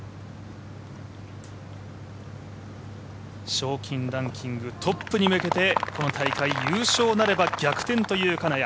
賞金ランキングトップに向けてこの大会優勝なれば、逆転という金谷。